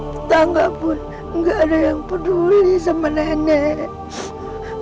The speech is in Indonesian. tetangga pun nggak ada yang peduli sama nenek